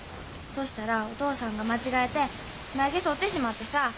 そしたらお父さんが間違えてまゆ毛そってしまってさぁ。